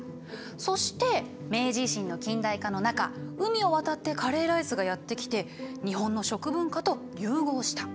そして明治維新の近代化の中海を渡ってカレーライスがやって来て日本の食文化と融合した。